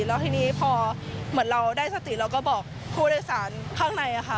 แล้วทีนี้พอเหมือนเราได้สติเราก็บอกผู้โดยสารข้างในค่ะ